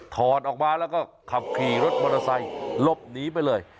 ถอดออกมาแล้วก็ขับขี่รถมอเตอร์ไซค์หลบหนีไปเลย